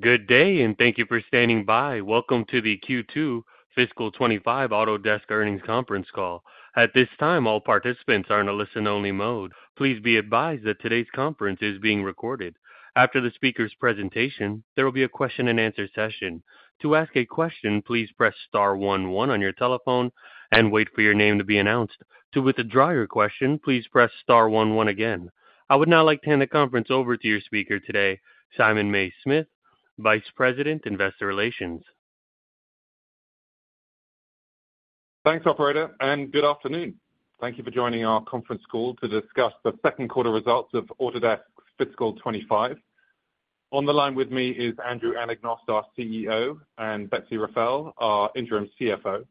Good day, and thank you for standing by. Welcome to the Q2 Fiscal 2025 Autodesk Earnings Conference Call. At this time, all participants are in a listen-only mode. Please be advised that today's conference is being recorded. After the speaker's presentation, there will be a question-and-answer session. To ask a question, please press star one one on your telephone and wait for your name to be announced. To withdraw your question, please press star one one again. I would now like to hand the conference over to your speaker today, Simon Mays-Smith, Vice President, Investor Relations. Thanks, operator, and good afternoon. Thank you for joining our conference call to discuss the second quarter results of Autodesk Fiscal 2025. On the line with me is Andrew Anagnost, our CEO, and Betsy Rafael, our Interim CFO.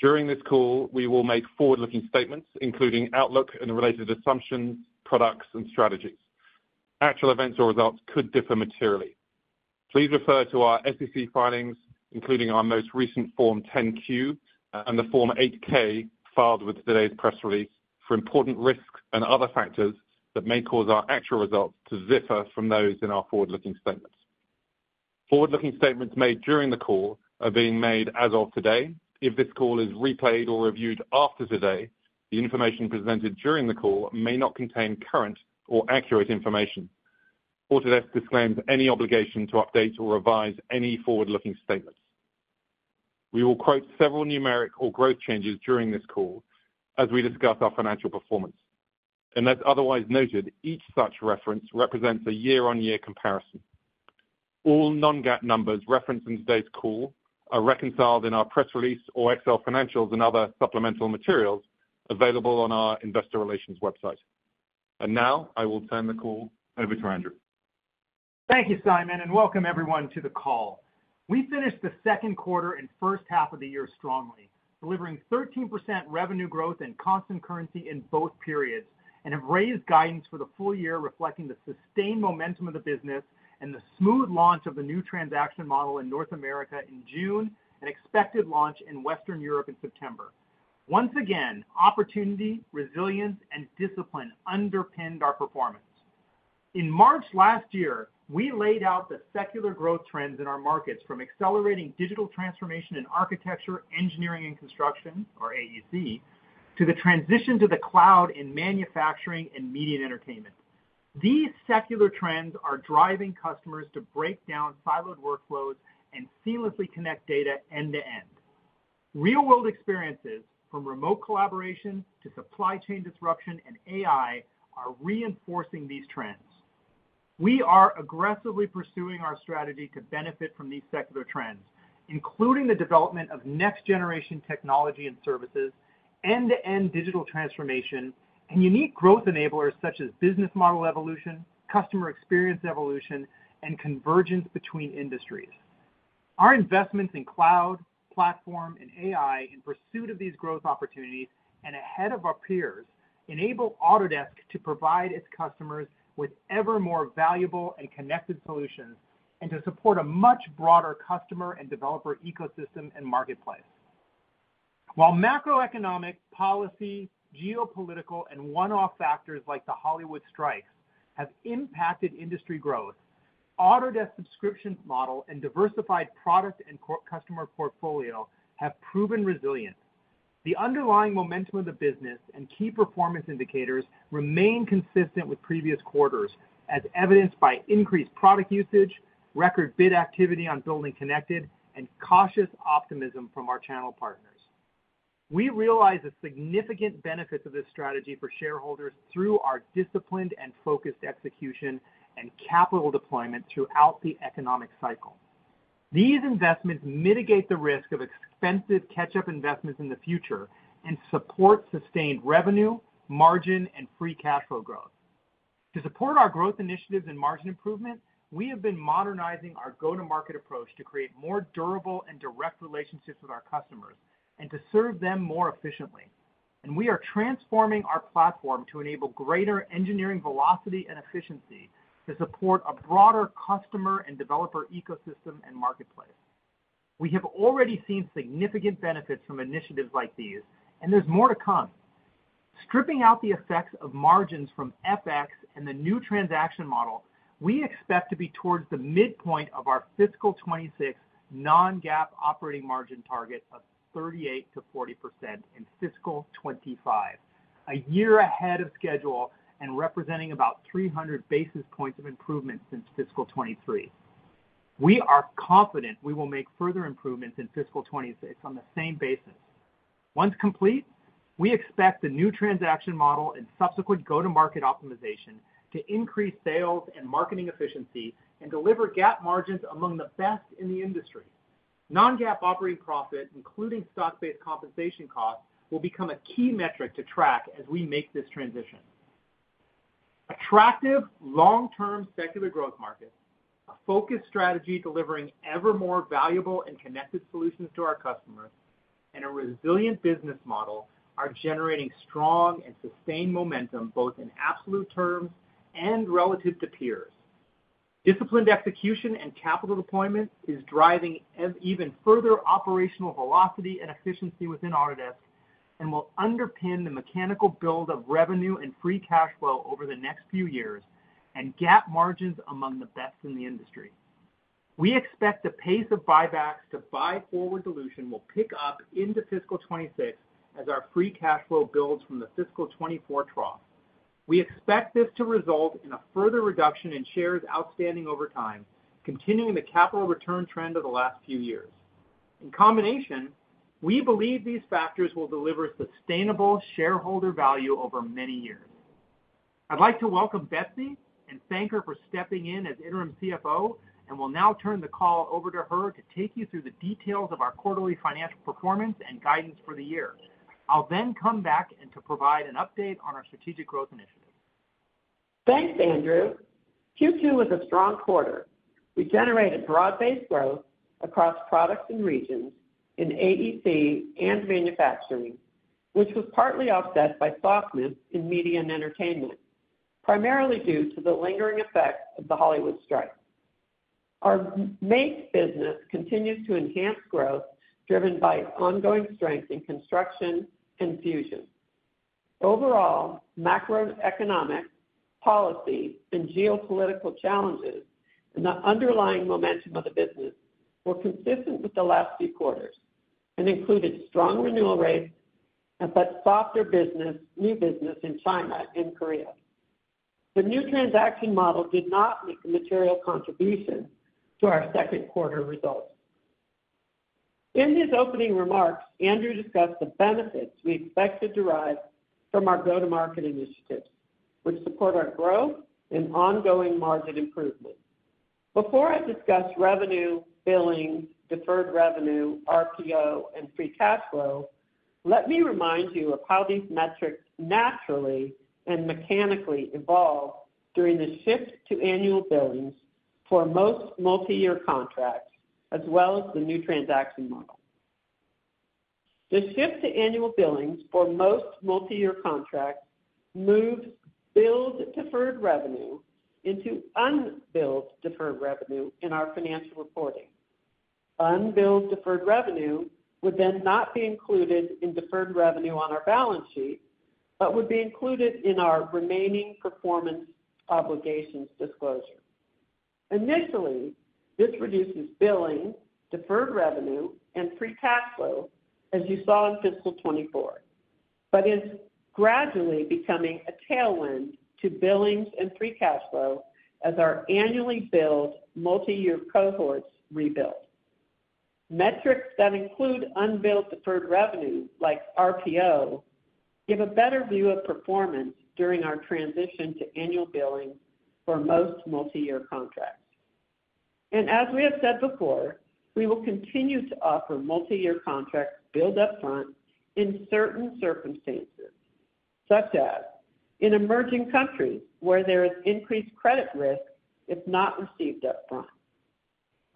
During this call, we will make forward-looking statements, including outlook and related assumptions, products, and strategies. Actual events or results could differ materially. Please refer to our SEC filings, including our most recent Form 10-Q and the Form 8-K, filed with today's press release for important risks and other factors that may cause our actual results to differ from those in our forward-looking statements. Forward-looking statements made during the call are being made as of today. If this call is replayed or reviewed after today, the information presented during the call may not contain current or accurate information. Autodesk disclaims any obligation to update or revise any forward-looking statements. We will quote several numeric or growth changes during this call as we discuss our financial performance. Unless otherwise noted, each such reference represents a year-on-year comparison. All non-GAAP numbers referenced in today's call are reconciled in our press release or Excel financials and other supplemental materials available on our investor relations website. And now, I will turn the call over to Andrew. Thank you, Simon, and welcome everyone to the call. We finished the second quarter and first half of the year strongly, delivering 13% revenue growth and constant currency in both periods, and have raised guidance for the full year, reflecting the sustained momentum of the business and the smooth launch of the new transaction model in North America in June and expected launch in Western Europe in September. Once again, opportunity, resilience, and discipline underpinned our performance. In March last year, we laid out the secular growth trends in our markets, from accelerating digital transformation in architecture, engineering, and construction, or AEC, to the transition to the cloud in manufacturing and media and entertainment. These secular trends are driving customers to break down siloed workflows and seamlessly connect data end-to-end. Real-world experiences, from remote collaboration to supply chain disruption and AI, are reinforcing these trends. We are aggressively pursuing our strategy to benefit from these secular trends, including the development of next-generation technology and services, end-to-end digital transformation, and unique growth enablers such as business model evolution, customer experience evolution, and convergence between industries. Our investments in cloud, platform, and AI in pursuit of these growth opportunities and ahead of our peers, enable Autodesk to provide its customers with ever more valuable and connected solutions, and to support a much broader customer and developer ecosystem and marketplace. While macroeconomic policy, geopolitical, and one-off factors like the Hollywood strikes have impacted industry growth, Autodesk subscription model and diversified product and customer portfolio have proven resilient. The underlying momentum of the business and key performance indicators remain consistent with previous quarters, as evidenced by increased product usage, record bid activity on BuildingConnected, and cautious optimism from our channel partners. We realize the significant benefits of this strategy for shareholders through our disciplined and focused execution and capital deployment throughout the economic cycle. These investments mitigate the risk of expensive catch-up investments in the future and support sustained revenue, margin, and free cash flow growth. To support our growth initiatives and margin improvement, we have been modernizing our go-to-market approach to create more durable and direct relationships with our customers and to serve them more efficiently, and we are transforming our platform to enable greater engineering velocity and efficiency to support a broader customer and developer ecosystem and marketplace. We have already seen significant benefits from initiatives like these, and there's more to come. Stripping out the effects of margins from FX and the new transaction model, we expect to be towards the midpoint of our fiscal 2026 non-GAAP operating margin target of 38% to 40% in fiscal 2025, a year ahead of schedule and representing about 300 basis points of improvement since fiscal 2023. We are confident we will make further improvements in fiscal 2026 on the same basis. Once complete, we expect the new transaction model and subsequent go-to-market optimization to increase sales and marketing efficiency and deliver GAAP margins among the best in the industry. Non-GAAP operating profit, including stock-based compensation costs, will become a key metric to track as we make this transition. Attractive long-term secular growth markets, a focused strategy delivering ever more valuable and connected solutions to our customers, and a resilient business model are generating strong and sustained momentum, both in absolute terms and relative to peers. Disciplined execution and capital deployment is driving even further operational velocity and efficiency within Autodesk and will underpin the mechanical build of revenue and free cash flow over the next few years and GAAP margins among the best in the industry. We expect the pace of buybacks to buy forward dilution will pick up into fiscal 2026 as our free cash flow builds from the fiscal 2024 trough. We expect this to result in a further reduction in shares outstanding over time, continuing the capital return trend of the last few years. In combination, we believe these factors will deliver sustainable shareholder value over many years. I'd like to welcome Betsy and thank her for stepping in as Interim CFO, and will now turn the call over to her to take you through the details of our quarterly financial performance and guidance for the year. I'll then come back and to provide an update on our strategic growth initiatives. Thanks, Andrew. Q2 was a strong quarter. We generated broad-based growth across products and regions in AEC and manufacturing, which was partly offset by softness in media and entertainment, primarily due to the lingering effects of the Hollywood strike. Our Make business continues to enhance growth, driven by ongoing strength in construction and Fusion. Overall, macroeconomic policy and geopolitical challenges and the underlying momentum of the business were consistent with the last few quarters and included strong renewal rates, but softer new business in China and Korea. The New Transaction Model did not make a material contribution to our second quarter results. In his opening remarks, Andrew discussed the benefits we expect to derive from our go-to-market initiatives, which support our growth and ongoing margin improvement. Before I discuss revenue, billings, deferred revenue, RPO, and free cash flow, let me remind you of how these metrics naturally and mechanically evolve during the shift to annual billings for most multiyear contracts, as well as the new transaction model. The shift to annual billings for most multiyear contracts moved billed deferred revenue into unbilled deferred revenue in our financial reporting. Unbilled deferred revenue would then not be included in deferred revenue on our balance sheet, but would be included in our remaining performance obligations disclosure. Initially, this reduces billing, deferred revenue, and free cash flow, as you saw in fiscal 2024, but is gradually becoming a tailwind to billings and free cash flow as our annually billed multiyear cohorts rebuild. Metrics that include unbilled deferred revenue, like RPO, give a better view of performance during our transition to annual billing for most multiyear contracts. As we have said before, we will continue to offer multiyear contracts billed upfront in certain circumstances, such as in emerging countries where there is increased credit risk if not received upfront,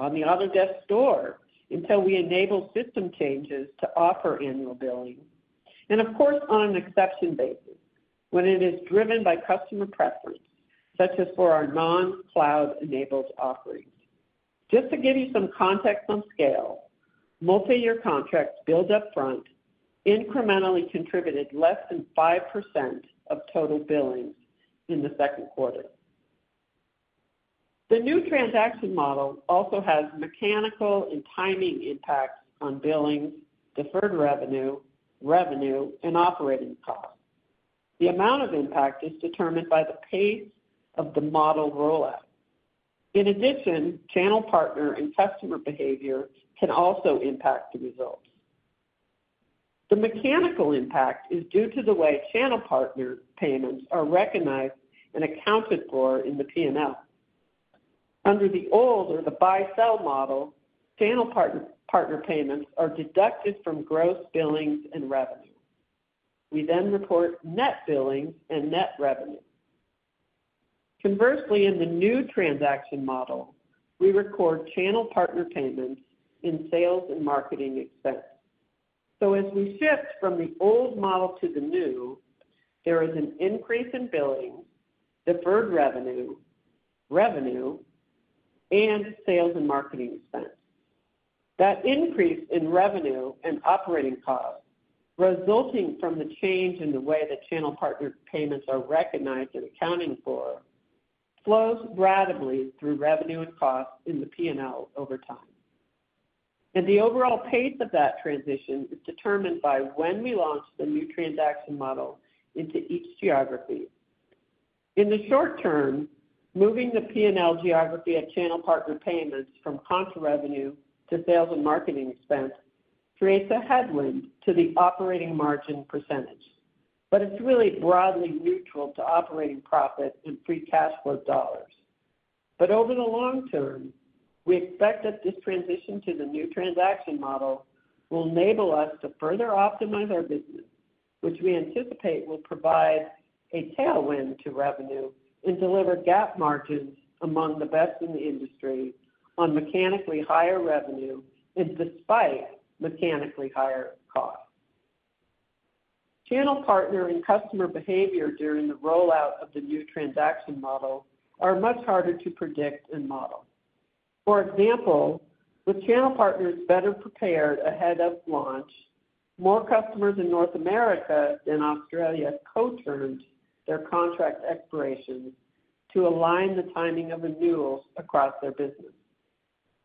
on the Autodesk Store, until we enable system changes to offer annual billing, and of course, on an exception basis, when it is driven by customer preference, such as for our non-cloud-enabled offerings. Just to give you some context on scale, multiyear contracts billed upfront incrementally contributed less than 5% of total billings in the second quarter. The new transaction model also has mechanical and timing impacts on billings, deferred revenue, revenue, and operating costs. The amount of impact is determined by the pace of the model rollout. In addition, channel partner and customer behavior can also impact the results. The mechanical impact is due to the way channel partner payments are recognized and accounted for in the PNL. Under the old or the buy-sell model, channel partner payments are deducted from gross billings and revenue. We then report net billings and net revenue. Conversely, in the new transaction model, we record channel partner payments in sales and marketing expense. So as we shift from the old model to the new, there is an increase in billings, deferred revenue, revenue, and sales and marketing expense. That increase in revenue and operating costs, resulting from the change in the way that channel partner payments are recognized and accounted for, flows gradually through revenue and costs in the P&L over time, and the overall pace of that transition is determined by when we launch the new transaction model into each geography. In the short term, moving the P&L geography of channel partner payments from contra revenue to sales and marketing expense creates a headwind to the operating margin percentage, but it's really broadly neutral to operating profit and free cash flow dollars. But over the long term, we expect that this transition to the new transaction model will enable us to further optimize our business, which we anticipate will provide a tailwind to revenue and deliver GAAP margins among the best in the industry on mechanically higher revenue and despite mechanically higher costs. Channel partner and customer behavior during the rollout of the new transaction model are much harder to predict and model. For example, with channel partners better prepared ahead of launch, more customers in North America and Australia co-termed their contract expirations to align the timing of renewals across their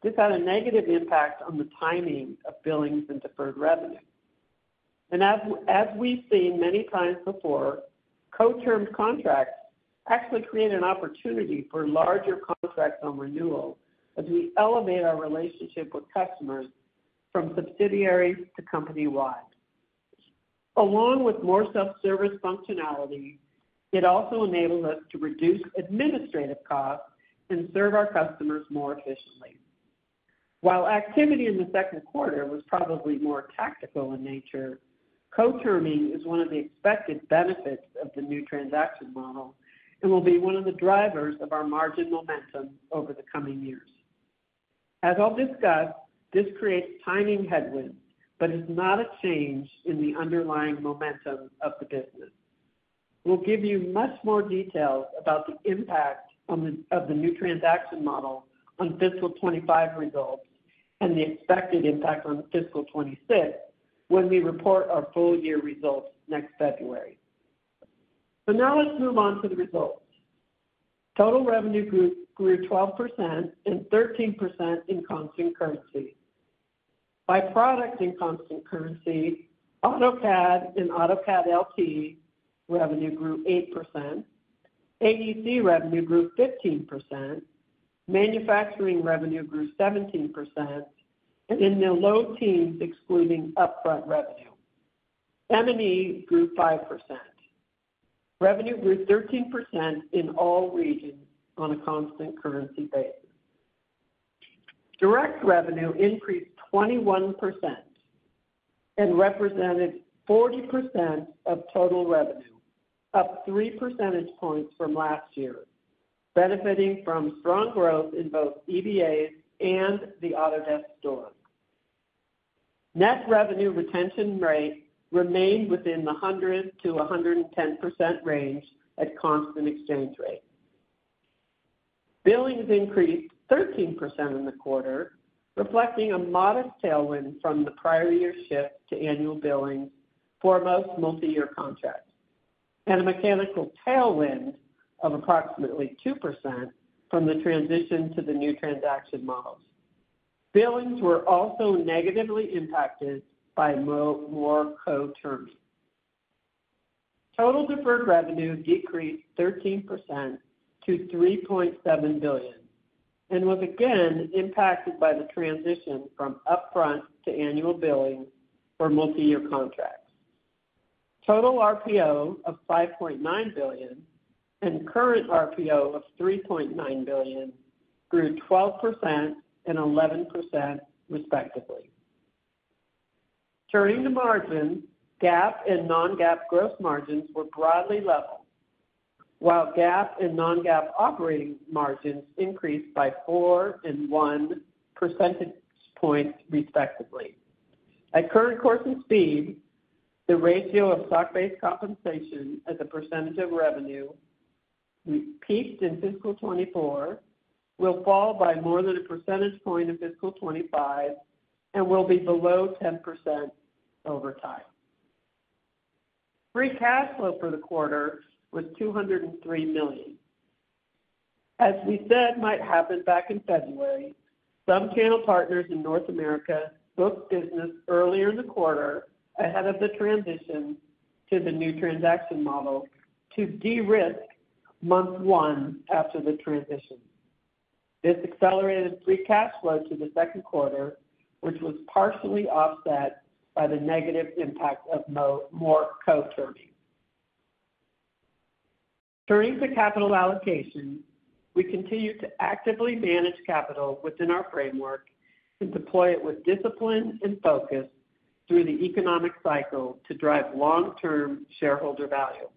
business. This had a negative impact on the timing of billings and deferred revenue. And as we've seen many times before, co-termed contracts actually create an opportunity for larger contracts on renewal as we elevate our relationship with customers from subsidiary to company-wide. Along with more self-service functionality, it also enabled us to reduce administrative costs and serve our customers more efficiently. While activity in the second quarter was probably more tactical in nature, co-terming is one of the expected benefits of the new transaction model and will be one of the drivers of our margin momentum over the coming years. As I'll discuss, this creates timing headwinds, but is not a change in the underlying momentum of the business. We'll give you much more details about the impact of the new transaction model on fiscal 2025 results and the expected impact on fiscal 2026, when we report our full year results next February. Now let's move on to the results. Total revenue grew 12% and 13% in constant currency. By product in constant currency, AutoCAD and AutoCAD LT revenue grew 8%, AEC revenue grew 15%, manufacturing revenue grew 17% and in the low teens, excluding upfront revenue. M&E grew 5%. Revenue grew 13% in all regions on a constant currency basis. Direct revenue increased 21% and represented 40% of total revenue, up three percentage points from last year, benefiting from strong growth in both EBAs and the Autodesk Store. Net revenue retention rate remained within the 100% to 110% range at constant exchange rate. Billings increased 13% in the quarter, reflecting a modest tailwind from the prior year's shift to annual billing for most multi-year contracts, and a mechanical tailwind of approximately 2% from the transition to the new transaction models. Billings were also negatively impacted by more co-terming. Total deferred revenue decreased 13% to $3.7 billion, and was again impacted by the transition from upfront to annual billing for multi-year contracts. Total RPO of $5.9 billion and current RPO of $3.9 billion grew 12% and 11%, respectively. Turning to margin, GAAP and non-GAAP gross margins were broadly level, while GAAP and non-GAAP operating margins increased by four and one percentage points, respectively. At current course and speed, the ratio of stock-based compensation as a percentage of revenue, we peaked in fiscal 2024, will fall by more than a percentage point in fiscal 2025, and will be below 10% over time. Free cash flow for the quarter was $203 million. As we said might happen back in February, some channel partners in North America booked business earlier in the quarter ahead of the transition to the new transaction model to de-risk month one after the transition. This accelerated free cash flow to the second quarter, which was partially offset by the negative impact of more co-terming. Turning to capital allocation, we continue to actively manage capital within our framework and deploy it with discipline and focus through the economic cycle to drive long-term shareholder value.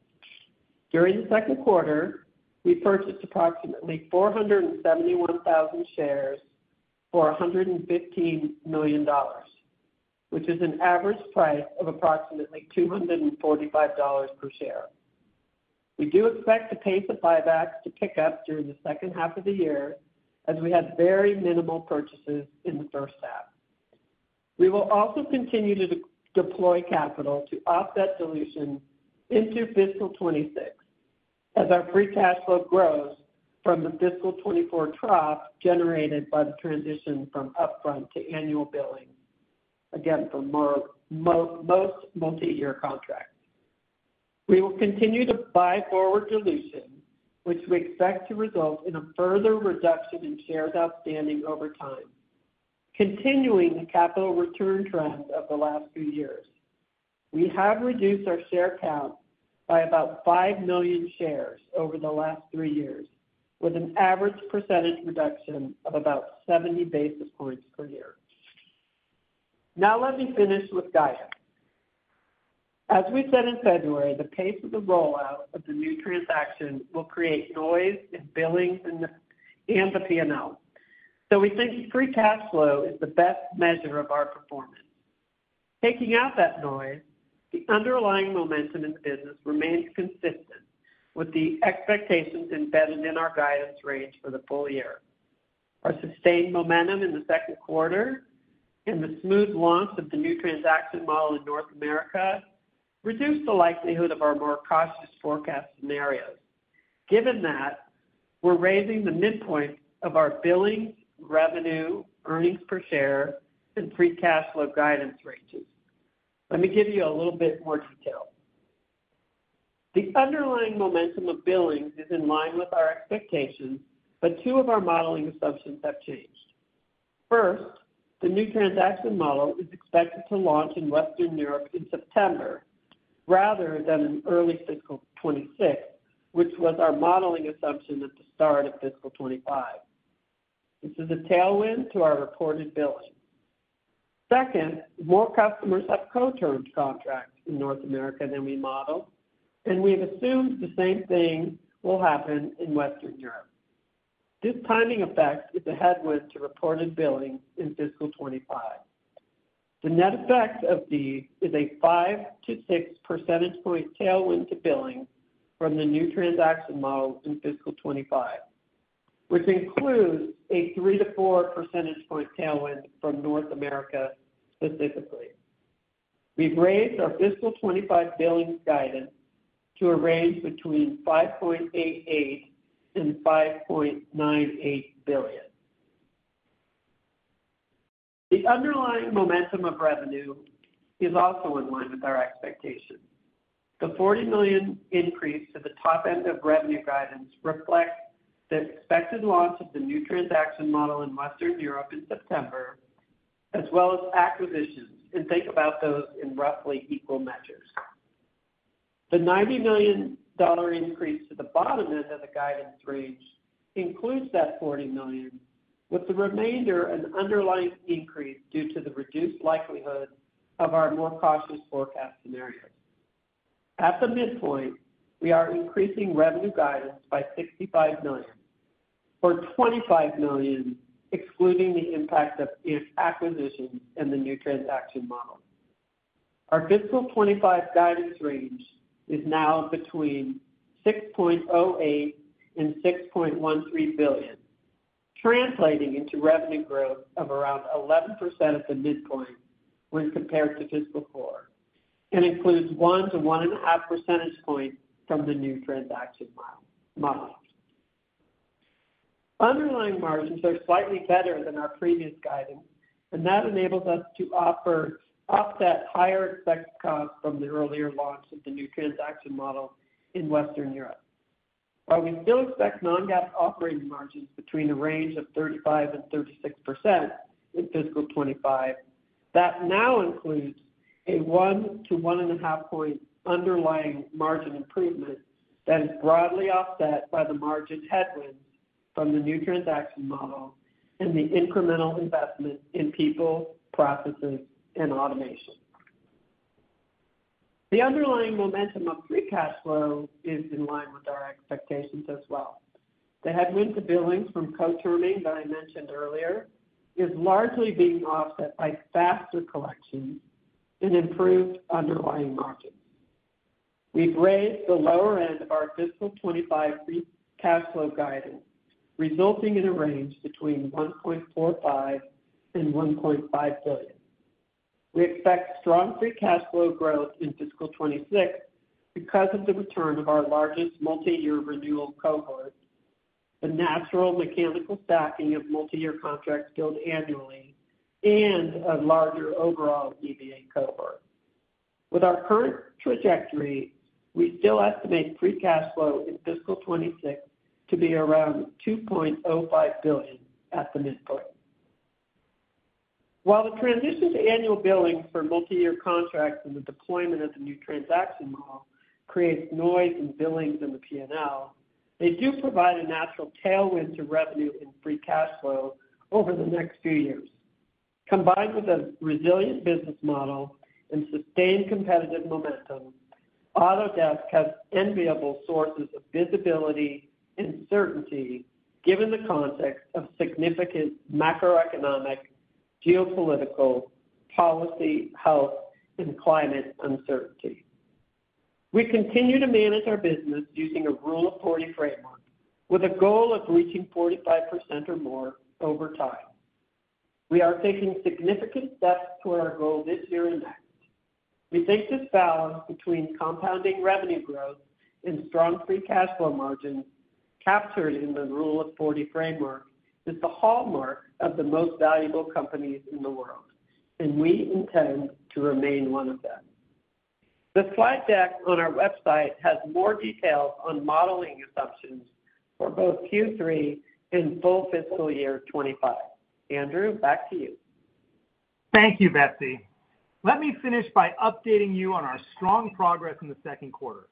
During the second quarter, we purchased approximately 471,000 shares for $115 million, which is an average price of approximately $245 per share. We do expect the pace of buybacks to pick up during the second half of the year, as we had very minimal purchases in the first half. We will also continue to deploy capital to offset dilution into fiscal 2026, as our free cash flow grows from the fiscal 2024 trough generated by the transition from upfront to annual billing, again, for most multi-year contracts. We will continue to buy forward dilution, which we expect to result in a further reduction in shares outstanding over time, continuing the capital return trend of the last few years. We have reduced our share count by about five million shares over the last three years, with an average percentage reduction of about seventy basis points per year. Now let me finish with guidance. As we said in February, the pace of the rollout of the new transaction will create noise in billings and the P&L. So we think free cash flow is the best measure of our performance. Taking out that noise, the underlying momentum in the business remains consistent with the expectations embedded in our guidance range for the full year. Our sustained momentum in the second quarter and the smooth launch of the new transaction model in North America reduced the likelihood of our more cautious forecast scenarios. Given that, we're raising the midpoint of our billings, revenue, earnings per share, and free cash flow guidance ranges. Let me give you a little bit more detail. The underlying momentum of billings is in line with our expectations, but two of our modeling assumptions have changed. First, the new transaction model is expected to launch in Western Europe in September, rather than in early fiscal 2026, which was our modeling assumption at the start of fiscal 2025. This is a tailwind to our reported billings. Second, more customers have co-term contracts in North America than we modeled, and we've assumed the same thing will happen in Western Europe. This timing effect is a headwind to reported billings in fiscal 2025. The net effect of these is a 5-6 percentage point tailwind to billing from the new transaction model in fiscal 2025, which includes a 3-4 percentage point tailwind from North America specifically. We've raised our fiscal 2025 billings guidance to a range between $5.88 billion and $5.98 billion. The underlying momentum of revenue is also in line with our expectations. The $40 million increase to the top end of revenue guidance reflects the expected launch of the new transaction model in Western Europe in September, as well as acquisitions, and think about those in roughly equal measures. The $90 million increase to the bottom end of the guidance range includes that $40 million, with the remainder an underlying increase due to the reduced likelihood of our more cautious forecast scenario. At the midpoint, we are increasing revenue guidance by $65 million, or $25 million, excluding the impact of FX, acquisitions and the new transaction model. Our fiscal 2025 guidance range is now between $6.08 billion and $6.13 billion, translating into revenue growth of around 11% at the midpoint when compared to fiscal 2024, and includes 1 to 1.5 percentage points from the New Transaction Model. Underlying margins are slightly better than our previous guidance, and that enables us to offset higher expected costs from the earlier launch of the New Transaction Model in Western Europe. While we still expect non-GAAP operating margins between the range of 35% and 36% in fiscal 2025, that now includes a 1 to 1.5 point underlying margin improvement that is broadly offset by the margin headwinds from the New Transaction Model and the incremental investment in people, processes, and automation. The underlying momentum of free cash flow is in line with our expectations as well. The headwind to billings from co-terming that I mentioned earlier is largely being offset by faster collections and improved underlying margins. We've raised the lower end of our Fiscal 2025 free cash flow guidance, resulting in a range between $1.45 billion and $1.5 billion. We expect strong free cash flow growth in Fiscal 2026 because of the return of our largest multiyear renewal cohort, the natural mechanical stacking of multiyear contracts billed annually, and a larger overall EBA cohort. With our current trajectory, we still estimate free cash flow in Fiscal 2026 to be around $2.05 billion at the midpoint. While the transition to annual billing for multiyear contracts and the deployment of the new transaction model creates noise in billings in the P&L, they do provide a natural tailwind to revenue and free cash flow over the next few years. Combined with a resilient business model and sustained competitive momentum, Autodesk has enviable sources of visibility and certainty given the context of significant macroeconomic, geopolitical, policy, health, and climate uncertainty. We continue to manage our business using a Rule of 40 framework, with a goal of reaching 45% or more over time. We are taking significant steps toward our goal this year and next. We think this balance between compounding revenue growth and strong free cash flow margins, captured in the Rule of 40 framework, is the hallmark of the most valuable companies in the world, and we intend to remain one of them. The slide deck on our website has more details on modeling assumptions for both Q3 and full fiscal year 2025. Andrew, back to you. Thank you, Betsy. Let me finish by updating you on our strong progress in the second quarter.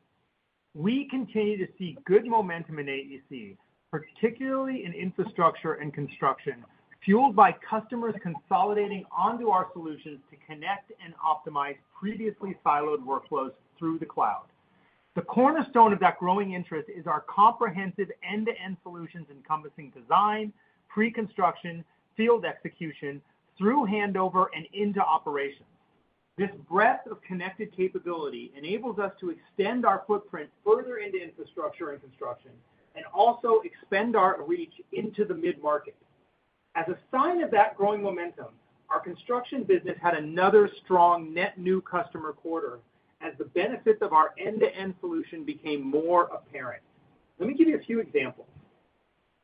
We continue to see good momentum in AEC, particularly in infrastructure and construction, fueled by customers consolidating onto our solutions to connect and optimize previously siloed workflows through the cloud. The cornerstone of that growing interest is our comprehensive end-to-end solutions, encompassing design, pre-construction, field execution, through handover, and into operations. This breadth of connected capability enables us to extend our footprint further into infrastructure and construction, and also expand our reach into the mid-market. As a sign of that growing momentum, our construction business had another strong net new customer quarter as the benefits of our end-to-end solution became more apparent. Let me give you a few examples.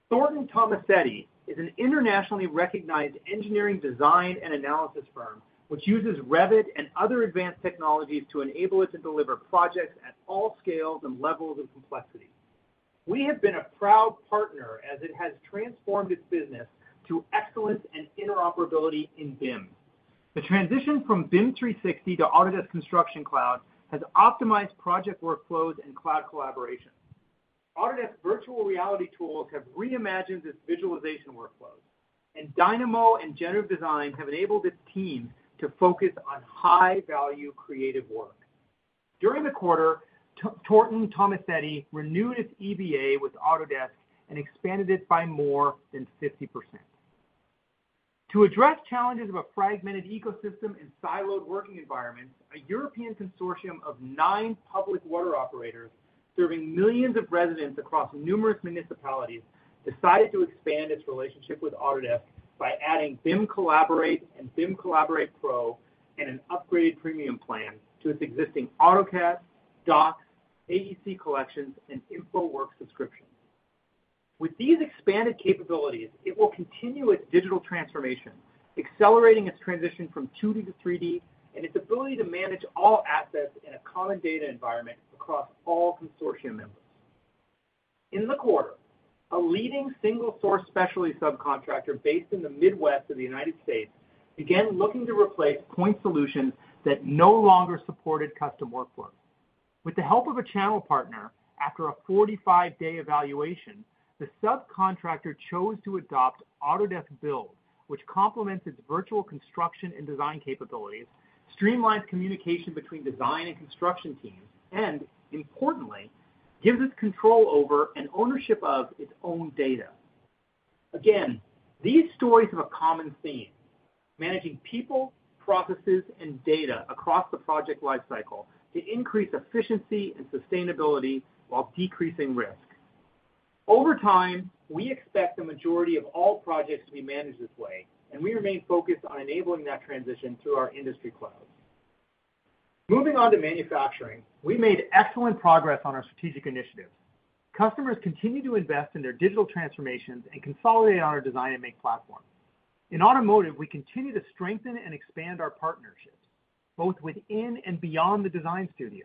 Thornton Tomasetti is an internationally recognized engineering, design, and analysis firm, which uses Revit and other advanced technologies to enable it to deliver projects at all scales and levels of complexity. We have been a proud partner as it has transformed its business to excellence and interoperability in BIM. The transition from BIM 360 to Autodesk Construction Cloud has optimized project workflows and cloud collaboration. Autodesk virtual reality tools have reimagined its visualization workflows, and Dynamo and generative design have enabled its team to focus on high-value creative work. During the quarter, Thornton Tomasetti renewed its EBA with Autodesk and expanded it by more than 50%. To address challenges of a fragmented ecosystem and siloed working environments, a European consortium of nine public water operators, serving millions of residents across numerous municipalities, decided to expand its relationship with Autodesk by adding BIM Collaborate and BIM Collaborate Pro, and an upgraded premium plan to its existing AutoCAD, Docs, AEC Collections, and InfoWorks subscriptions. With these expanded capabilities, it will continue its digital transformation, accelerating its transition from 2D to 3D, and its ability to manage all assets in a common data environment across all consortium members. In the quarter, a leading single-source specialty subcontractor based in the Midwest of the United States, began looking to replace point solutions that no longer supported custom workflows. With the help of a channel partner, after a forty-five-day evaluation, the subcontractor chose to adopt Autodesk Build, which complements its virtual construction and design capabilities, streamlines communication between design and construction teams, and importantly, gives it control over and ownership of its own data. Again, these stories have a common theme: managing people, processes, and data across the project lifecycle to increase efficiency and sustainability while decreasing risk. Over time, we expect the majority of all projects to be managed this way, and we remain focused on enabling that transition through our industry clouds. Moving on to manufacturing, we made excellent progress on our strategic initiatives. Customers continue to invest in their digital transformations and consolidate on our Design and Make Platform. In automotive, we continue to strengthen and expand our partnerships, both within and beyond the design studio.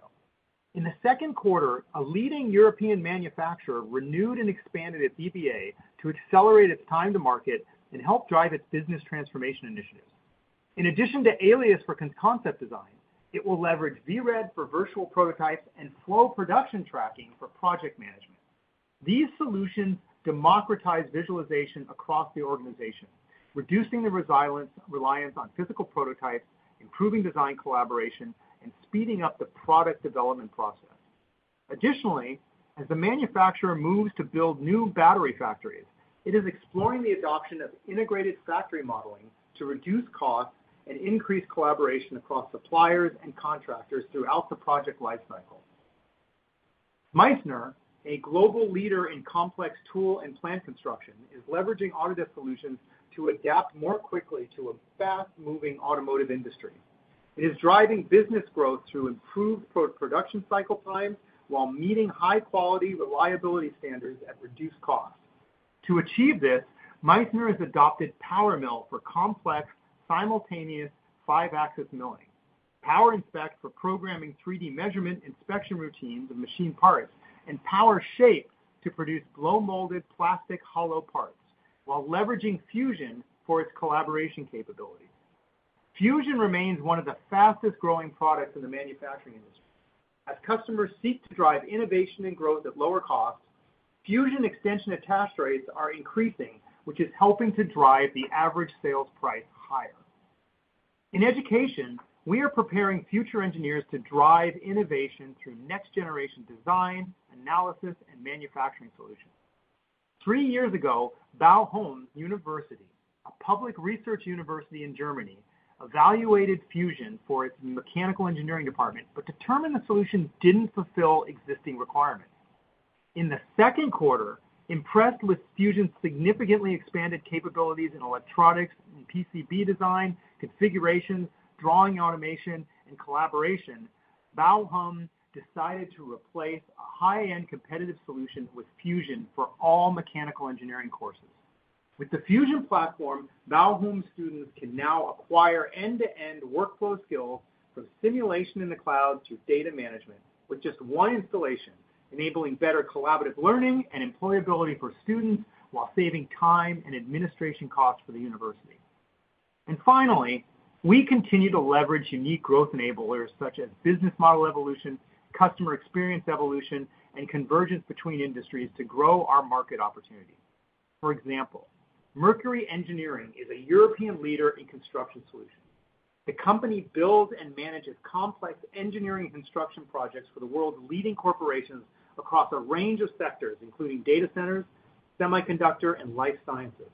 In the second quarter, a leading European manufacturer renewed and expanded its EBA to accelerate its time to market and help drive its business transformation initiatives. In addition to Alias for concept design, it will leverage VRED for virtual prototypes and Flow Production Tracking for project management. These solutions democratize visualization across the organization, reducing the reliance on physical prototypes, improving design collaboration, and speeding up the product development process. Additionally, as the manufacturer moves to build new battery factories, it is exploring the adoption of integrated factory modeling to reduce costs and increase collaboration across suppliers and contractors throughout the project lifecycle. Meissner, a global leader in complex tool and plant construction, is leveraging Autodesk solutions to adapt more quickly to a fast-moving automotive industry. It is driving business growth through improved production cycle times, while meeting high-quality reliability standards at reduced costs. To achieve this, Meissner has adopted PowerMill for complex, simultaneous five-axis milling, PowerInspect for programming 3D measurement inspection routines of machine parts, and PowerShape to produce blow-molded plastic hollow parts, while leveraging Fusion for its collaboration capabilities. Fusion remains one of the fastest-growing products in the manufacturing industry. As customers seek to drive innovation and growth at lower costs, Fusion extension attach rates are increasing, which is helping to drive the average sales price higher. In education, we are preparing future engineers to drive innovation through next-generation design, analysis, and manufacturing solutions. Three years ago, Bochum University, a public research university in Germany, evaluated Fusion for its mechanical engineering department, but determined the solution didn't fulfill existing requirements. In the second quarter, impressed with Fusion's significantly expanded capabilities in electronics, in PCB design, configuration, drawing automation, and collaboration, Bochum decided to replace a high-end competitive solution with Fusion for all mechanical engineering courses. With the Fusion platform, Bochum students can now acquire end-to-end workflow skills from simulation in the cloud to data management with just one installation, enabling better collaborative learning and employability for students, while saving time and administration costs for the university. Finally, we continue to leverage unique growth enablers such as business model evolution, customer experience evolution, and convergence between industries to grow our market opportunity. For example, Mercury Engineering is a European leader in construction solutions. The company builds and manages complex engineering and construction projects for the world's leading corporations across a range of sectors, including data centers, semiconductor, and life sciences.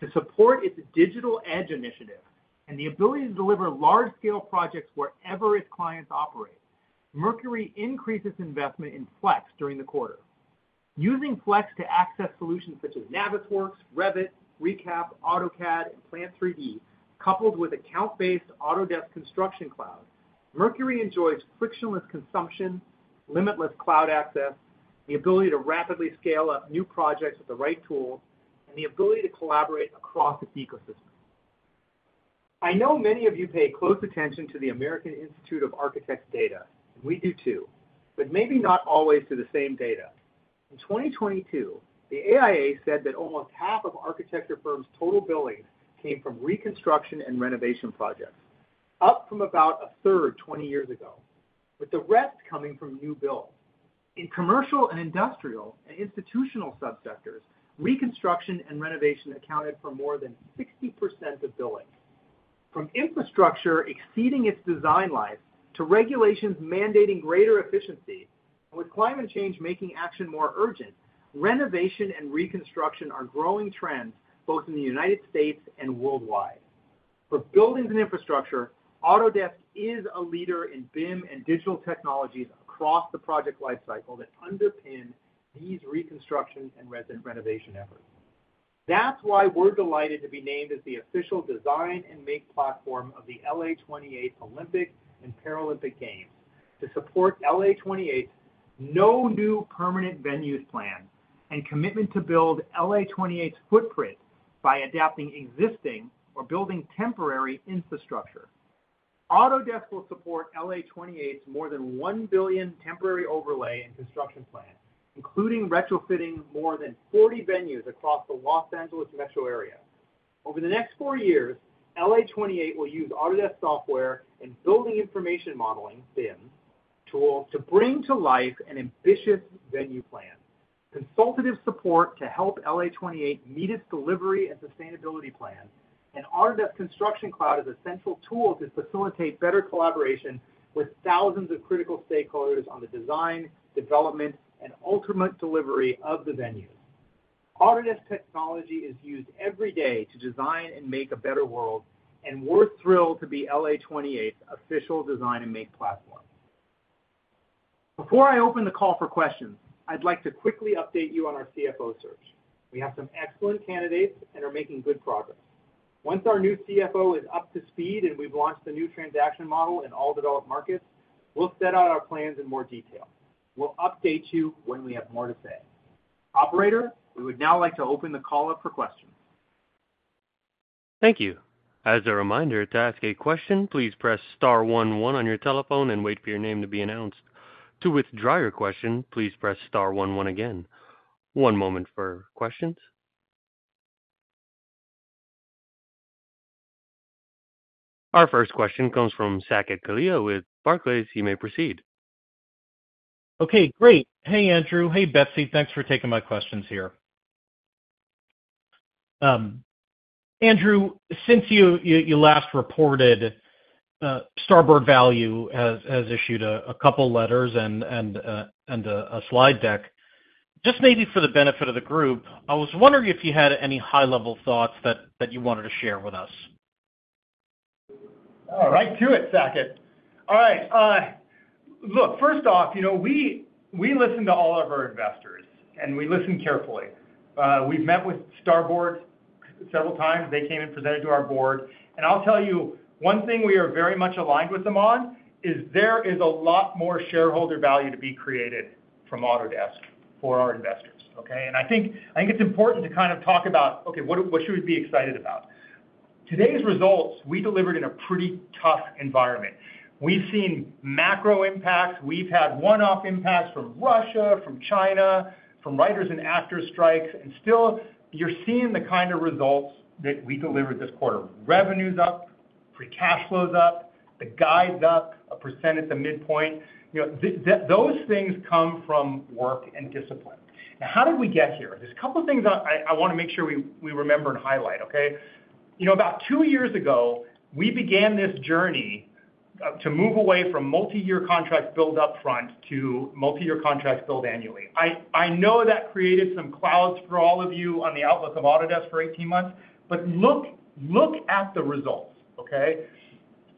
To support its digital edge initiative and the ability to deliver large-scale projects wherever its clients operate, Mercury increased its investment in Flex during the quarter. Using Flex to access solutions such as Navisworks, Revit, ReCap, AutoCAD, and Plant 3D, coupled with account-based Autodesk Construction Cloud, Mercury enjoys frictionless consumption, limitless cloud access, the ability to rapidly scale up new projects with the right tools, and the ability to collaborate across its ecosystem. I know many of you pay close attention to the American Institute of Architects data. We do, too, but maybe not always to the same data. In twenty twenty-two, the AIA said that almost half of architecture firms' total billings came from reconstruction and renovation projects, up from about a third twenty years ago, with the rest coming from new build. In commercial and industrial and institutional subsectors, reconstruction and renovation accounted for more than 60% of billings. From infrastructure exceeding its design life to regulations mandating greater efficiency, with climate change making action more urgent, renovation and reconstruction are growing trends both in the United States and worldwide. For buildings and infrastructure, Autodesk is a leader in BIM and digital technologies across the project life cycle that underpin these reconstruction and renovation efforts. That's why we're delighted to be named as the Official Design and Make Platform of the LA28 Olympic and Paralympic Games, to support LA28's no new permanent venues plan and commitment to build LA28's footprint by adapting existing or building temporary infrastructure. Autodesk will support LA28's more than $1 billion temporary overlay and construction plan, including retrofitting more than 40 venues across the Los Angeles metro area. Over the next four years, LA28 will use Autodesk software and Building Information Modeling, BIM, tools to bring to life an ambitious venue plan, consultative support to help LA28 meet its delivery and sustainability plan, and Autodesk Construction Cloud as a central tool to facilitate better collaboration with thousands of critical stakeholders on the design, development, and ultimate delivery of the venues. Autodesk technology is used every day to design and make a better world, and we're thrilled to be LA28's official Design and Make Platform. Before I open the call for questions, I'd like to quickly update you on our CFO search. We have some excellent candidates and are making good progress. Once our new CFO is up to speed and we've launched the new transaction model in all developed markets, we'll set out our plans in more detail. We'll update you when we have more to say. Operator, we would now like to open the call up for questions. Thank you. As a reminder, to ask a question, please press star one one on your telephone and wait for your name to be announced. To withdraw your question, please press star one one again. One moment for questions. Our first question comes from Saket Kalia with Barclays. You may proceed. Okay, great. Hey, Andrew. Hey, Betsy. Thanks for taking my questions here. Andrew, since you last reported, Starboard Value has issued a couple letters and a slide deck. Just maybe for the benefit of the group, I was wondering if you had any high-level thoughts that you wanted to share with us? All right, to it, Saket. All right, look, first off, you know, we listen to all of our investors, and we listen carefully. We've met with Starboard several times. They came and presented to our board. And I'll tell you, one thing we are very much aligned with them on, is there is a lot more shareholder value to be created from Autodesk for our investors, okay? And I think it's important to kind of talk about, okay, what should we be excited about? Today's results, we delivered in a pretty tough environment. We've seen macro impacts, we've had one-off impacts from Russia, from China, from writers and actors strikes, and still, you're seeing the kind of results that we delivered this quarter. Revenue's up, free cash flow is up, the guide's up 1% at the midpoint. You know, those things come from work and discipline. Now, how did we get here? There's a couple of things I wanna make sure we remember and highlight, okay? You know, about two years ago, we began this journey to move away from multiyear contracts billed up front to multiyear contracts billed annually. I know that created some clouds for all of you on the outlook of Autodesk for eighteen months, but look at the results, okay?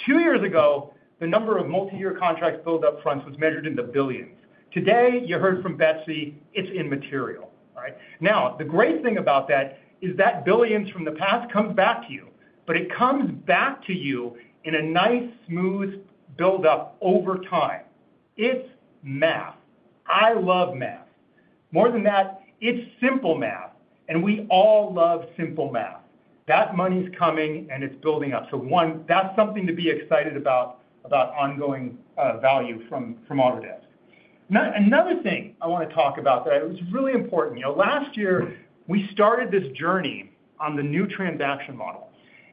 Two years ago, the number of multiyear contracts billed up front was measured in the billions. Today, you heard from Betsy, it's immaterial, all right? Now, the great thing about that is, that billions from the past comes back to you, but it comes back to you in a nice, smooth buildup over time. It's math. I love math. More than that, it's simple math, and we all love simple math. That money's coming, and it's building up. So one, that's something to be excited about, about ongoing value from Autodesk. Another thing I wanna talk about that is really important. You know, last year, we started this journey on the new transaction model,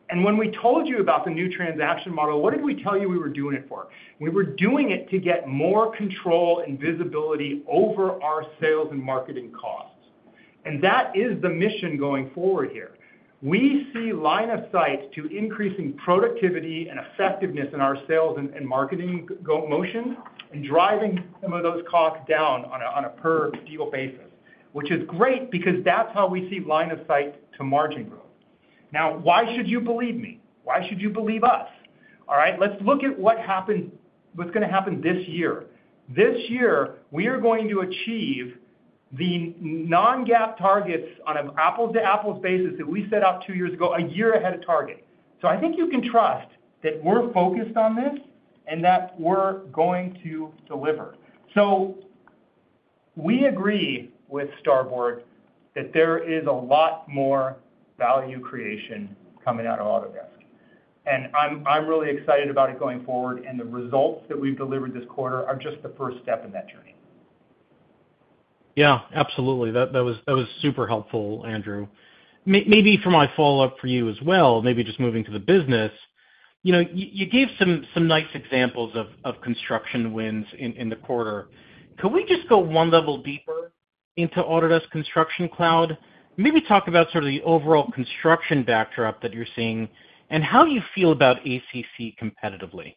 and when we told you about the new transaction model, what did we tell you we were doing it for? We were doing it to get more control and visibility over our sales and marketing costs, and that is the mission going forward here. We see line of sight to increasing productivity and effectiveness in our sales and marketing go-to-market motion, and driving some of those costs down on a per-deal basis, which is great because that's how we see line of sight to margin growth. Now, why should you believe me? Why should you believe us? All right, let's look at what happened, what's gonna happen this year. This year, we are going to achieve the non-GAAP targets on an apples-to-apples basis that we set out two years ago, a year ahead of target. So I think you can trust that we're focused on this, and that we're going to deliver. So we agree with Starboard that there is a lot more value creation coming out of Autodesk, and I'm really excited about it going forward, and the results that we've delivered this quarter are just the first step in that journey. Yeah, absolutely. That was super helpful, Andrew. Maybe for my follow-up for you as well, maybe just moving to the business, you know, you gave some nice examples of construction wins in the quarter. Could we just go one level deeper into Autodesk Construction Cloud? Maybe talk about sort of the overall construction backdrop that you're seeing and how you feel about ACC competitively.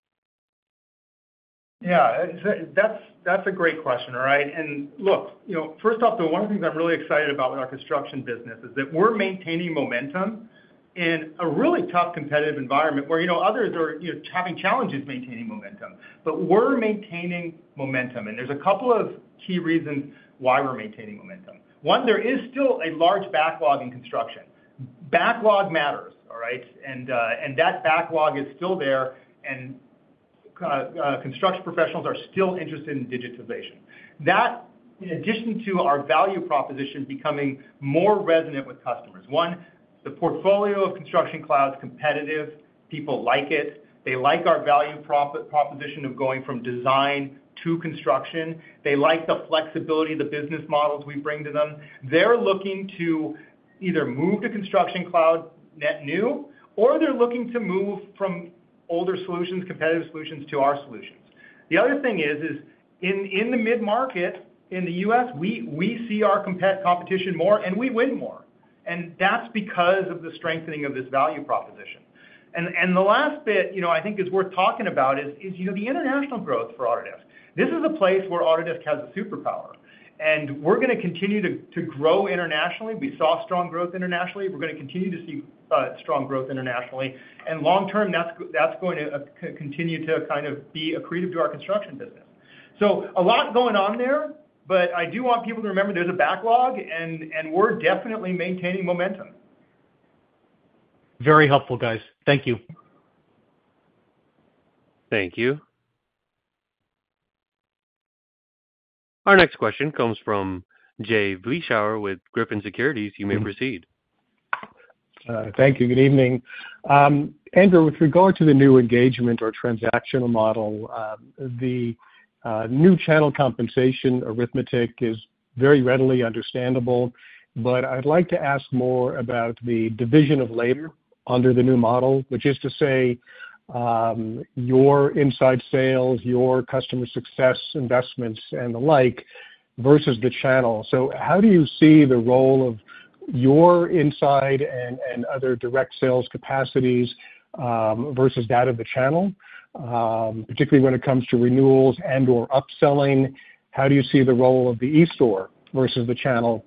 Yeah, that's a great question, all right? And look, you know, first off, the one thing I'm really excited about with our construction business is that we're maintaining momentum in a really tough competitive environment, where, you know, others are, you know, having challenges maintaining momentum. But we're maintaining momentum, and there's a couple of key reasons why we're maintaining momentum. One, there is still a large backlog in construction. Backlog matters, all right? And, and that backlog is still there, and, construction professionals are still interested in digitization. That, in addition to our value proposition becoming more resonant with customers. One, the portfolio of Construction Cloud is competitive. People like it. They like our value proposition of going from design to construction. They like the flexibility of the business models we bring to them. They're looking to either move to Construction Cloud net new, or they're looking to move from older solutions, competitive solutions, to our solutions. The other thing is in the mid-market, in the U.S., we see our competition more and we win more, and that's because of the strengthening of this value proposition. And the last bit, you know, I think is worth talking about is, you know, the international growth for Autodesk. This is a place where Autodesk has a superpower, and we're gonna continue to grow internationally. We saw strong growth internationally. We're gonna continue to see strong growth internationally, and long term, that's going to continue to kind of be accretive to our construction business. So a lot going on there, but I do want people to remember there's a backlog, and we're definitely maintaining momentum. Very helpful, guys. Thank you. Thank you. Our next question comes from Jay Vleeschhouwer with Griffin Securities. You may proceed. Thank you. Good evening. Andrew, with regard to the new engagement or transactional model, the new channel compensation arithmetic is very readily understandable, but I'd like to ask more about the division of labor under the new model, which is to say, your inside sales, your customer success investments and the like, versus the channel. So how do you see the role of your inside and other direct sales capacities, versus that of the channel, particularly when it comes to renewals and/or upselling? How do you see the role of the eStore versus the channel,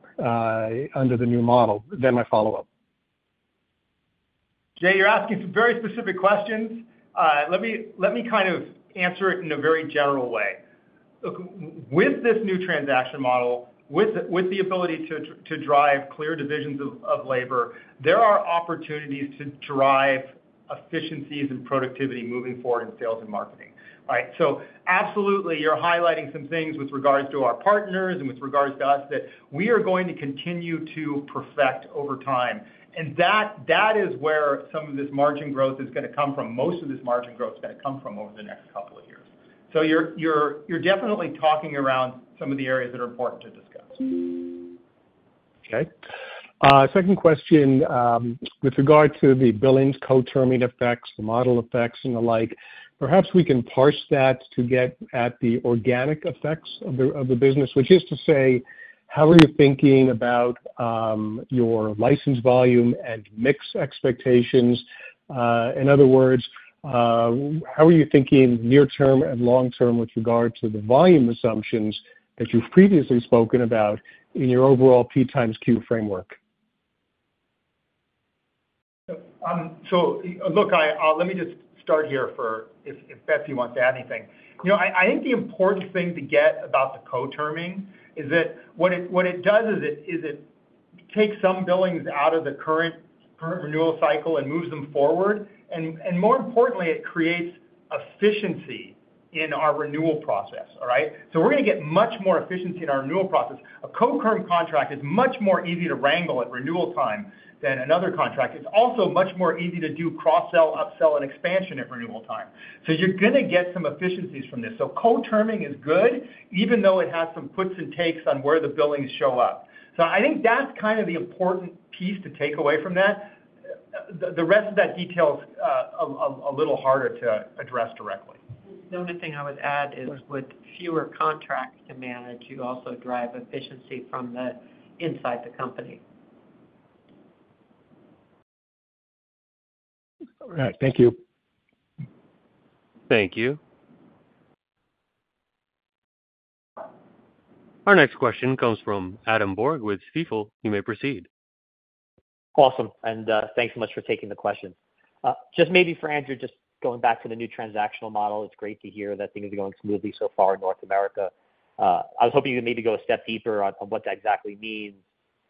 under the new model? Then my follow-up. Jay, you're asking some very specific questions. Let me kind of answer it in a very general way. Look, with this new transaction model, with the ability to drive clear divisions of labor, there are opportunities to drive efficiencies and productivity moving forward in sales and marketing, right? So absolutely, you're highlighting some things with regards to our partners and with regards to us that we are going to continue to perfect over time, and that is where some of this margin growth is gonna come from, most of this margin growth is gonna come from over the next couple of years. So you're definitely talking around some of the areas that are important to discuss. Okay. Second question, with regard to the billings co-terming effects, the model effects and the like, perhaps we can parse that to get at the organic effects of the business, which is to say, how are you thinking about your license volume and mix expectations? In other words, how are you thinking near term and long term with regard to the volume assumptions that you've previously spoken about in your overall P times Q framework? Look, let me just start here before, if Betsy wants to add anything. You know, I think the important thing to get about the co-terming is that what it does is it takes some billings out of the current period renewal cycle and moves them forward, and more importantly, it creates efficiency in our renewal process, all right? So we're gonna get much more efficiency in our renewal process. A co-term contract is much more easy to wrangle at renewal time than another contract. It's also much more easy to do cross sell, upsell, and expansion at renewal time. So you're gonna get some efficiencies from this. So co-terming is good, even though it has some puts and takes on where the billings show up. So I think that's kind of the important piece to take away from that. The rest of that detail's a little harder to address directly. The only thing I would add is with fewer contracts to manage, you also drive efficiency from inside the company. All right, thank you. Thank you. Our next question comes from Adam Borg with Stifel. You may proceed. Awesome, and, thanks so much for taking the question. Just maybe for Andrew, just going back to the new transactional model, it's great to hear that things are going smoothly so far in North America. I was hoping you could maybe go a step deeper on what that exactly means,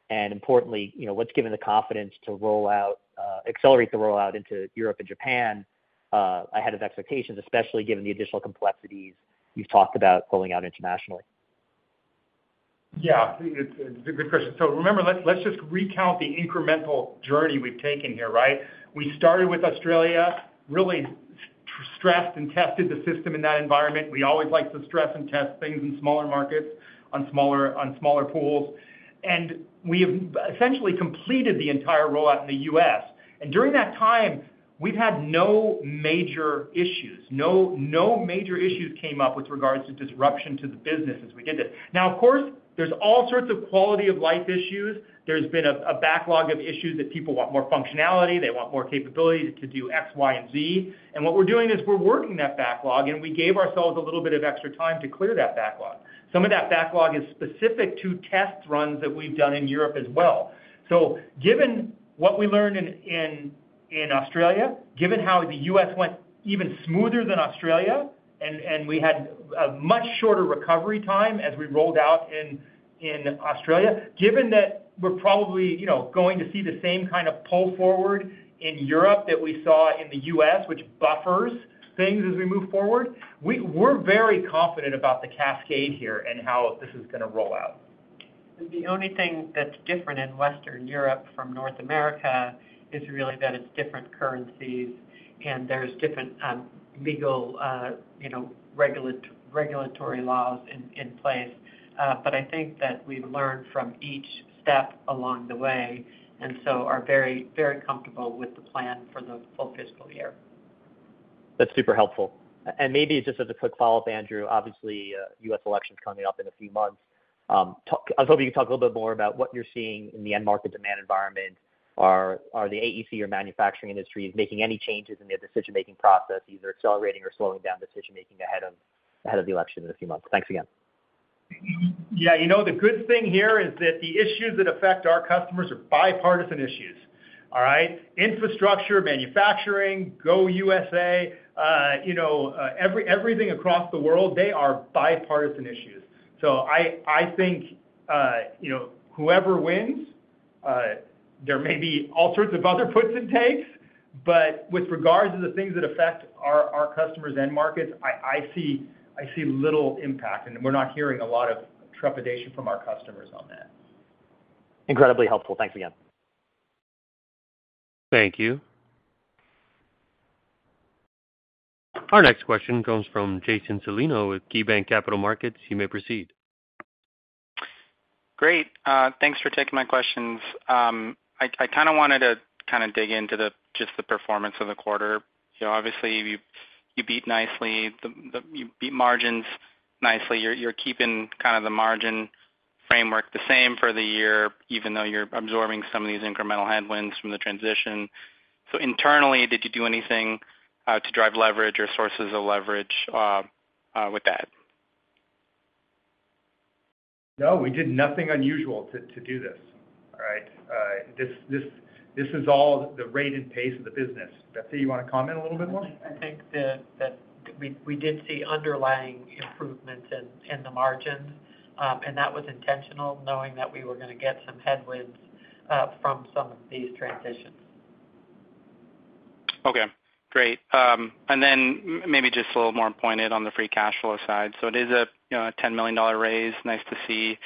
and importantly, you know, what's given the confidence to roll out, accelerate the rollout into Europe and Japan, ahead of expectations, especially given the additional complexities you've talked about pulling out internationally? Yeah, it's a good question. So remember, let's just recount the incremental journey we've taken here, right? We started with Australia, really stressed and tested the system in that environment. We always like to stress and test things in smaller markets, on smaller pools, and we have essentially completed the entire rollout in the U.S. And during that time, we've had no major issues. No major issues came up with regards to disruption to the business as we did this. Now, of course, there's all sorts of quality of life issues. There's been a backlog of issues that people want more functionality, they want more capability to do X, Y, and Z. And what we're doing is we're working that backlog, and we gave ourselves a little bit of extra time to clear that backlog. Some of that backlog is specific to test runs that we've done in Europe as well, so given what we learned in Australia, given how the U.S. went even smoother than Australia, and we had a much shorter recovery time as we rolled out in Australia, given that we're probably, you know, going to see the same kind of pull forward in Europe that we saw in the U.S., which buffers things as we move forward, we're very confident about the cascade here and how this is gonna roll out. The only thing that's different in Western Europe from North America is really that it's different currencies and there's different legal, you know, regulatory laws in place. But I think that we've learned from each step along the way, and so are very, very comfortable with the plan for the full fiscal year. That's super helpful. And maybe just as a quick follow-up, Andrew, obviously, U.S. election's coming up in a few months. I was hoping you could talk a little bit more about what you're seeing in the end market demand environment. Are the AEC or manufacturing industries making any changes in their decision-making process, either accelerating or slowing down decision-making ahead of the election in a few months? Thanks again. Yeah, you know, the good thing here is that the issues that affect our customers are bipartisan issues, all right? Infrastructure, manufacturing, go USA, you know, everything across the world, they are bipartisan issues. So I think, you know, whoever wins, there may be all sorts of other puts and takes, but with regards to the things that affect our customers' end markets, I see little impact, and we're not hearing a lot of trepidation from our customers on that. Incredibly helpful. Thanks again. Thank you. Our next question comes from Jason Celino with KeyBanc Capital Markets. You may proceed. Great, thanks for taking my questions. I kind of wanted to kind of dig into just the performance of the quarter. You know, obviously, you beat nicely. You beat margins nicely. You're keeping kind of the margin framework the same for the year, even though you're absorbing some of these incremental headwinds from the transition. So internally, did you do anything to drive leverage or sources of leverage with that? No, we did nothing unusual to do this, all right? This is all the rate and pace of the business. Betsy, you wanna comment a little bit more? I think that we did see underlying improvements in the margins, and that was intentional, knowing that we were gonna get some headwinds from some of these transitions. Okay, great. And then maybe just a little more pointed on the free cash flow side. So it is a, you know, a $10 million raise, nice to see.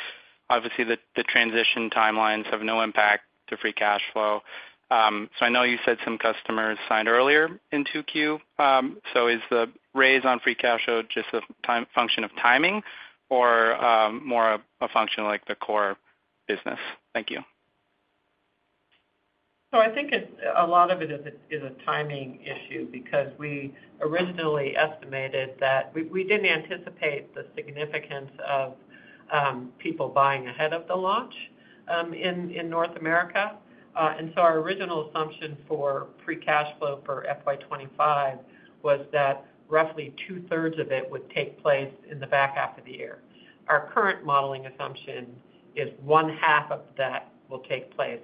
Obviously, the transition timelines have no impact to free cash flow. So I know you said some customers signed earlier in 2Q. So is the raise on free cash flow just a function of timing, or more a function like the core business? Thank you. So I think it's a lot of it is a timing issue, because we originally estimated that we didn't anticipate the significance of people buying ahead of the launch in North America. And so our original assumption for free cash flow for FY 2025 was that roughly two-thirds of it would take place in the back half of the year. Our current modeling assumption is one half of that will take place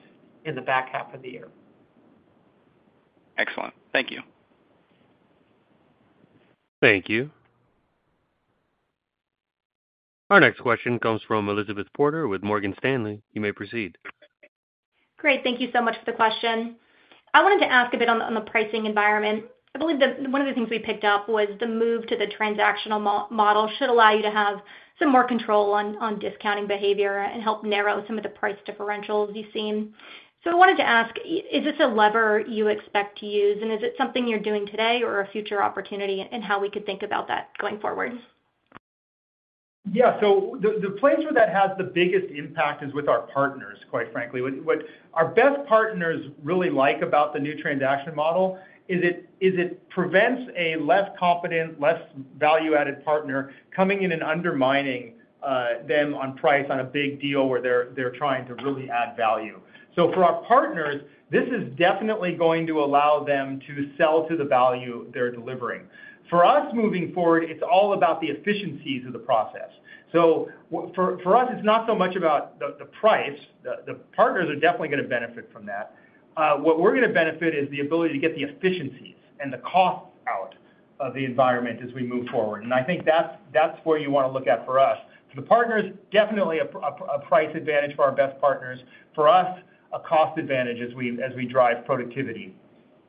in the back half of the year. Excellent. Thank you. Thank you. Our next question comes from Elizabeth Porter with Morgan Stanley. You may proceed. Great. Thank you so much for the question. I wanted to ask a bit on the pricing environment. I believe that one of the things we picked up was the move to the transactional model should allow you to have some more control on discounting behavior and help narrow some of the price differentials you've seen. So I wanted to ask, is this a lever you expect to use, and is it something you're doing today or a future opportunity, and how we could think about that going forward?... Yeah, so the place where that has the biggest impact is with our partners, quite frankly. What our best partners really like about the new transaction model is that it prevents a less competent, less value-added partner coming in and undermining them on price on a big deal where they're trying to really add value. So for our partners, this is definitely going to allow them to sell to the value they're delivering. For us, moving forward, it's all about the efficiencies of the process. So for us, it's not so much about the price. The partners are definitely gonna benefit from that. What we're gonna benefit is the ability to get the efficiencies and the costs out of the environment as we move forward. And I think that's where you wanna look at for us. For the partners, definitely a price advantage for our best partners. For us, a cost advantage as we drive productivity.